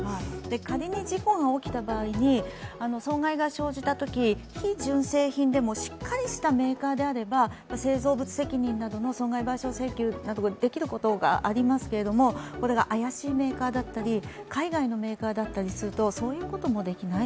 仮に事故が起きた場合に、損害が生じたとき、非純正品でもしっかりしたメーカーであれば製造物責任などの損害賠償請求などができることがありますけれどもこれが怪しいメーカーだったり、海外のメーカーだったりすると、そういうこともできない。